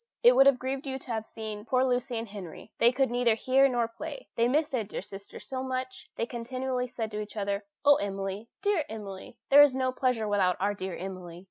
It would have grieved you to have seen poor Lucy and Henry. They could neither read nor play, they missed their dear sister so much. They continually said to each other, "Oh, Emily! dear Emily! there is no pleasure without our dear Emily!"